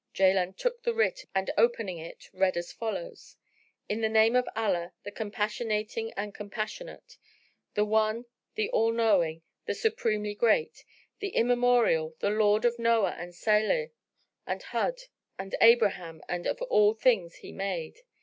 Jaland took the writ and opening it, read as follows, "In the name of Allah, the Compassionating, the Compassionate * the One, the All knowing, the supremely Great * the Immemorial, the Lord of Noah and Sálih and Húd and Abraham and of all things He made!